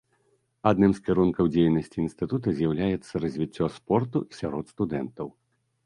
Адным з кірункаў дзейнасці інстытута з'яўляецца развіццё спорту сярод студэнтаў.